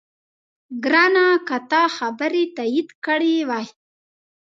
ګرانه! که تا خبرې تایید کړې وای،